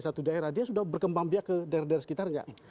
satu daerah dia sudah berkembang biak ke daerah daerah sekitarnya